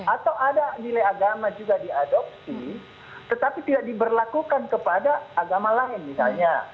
atau ada nilai agama juga diadopsi tetapi tidak diberlakukan kepada agama lain misalnya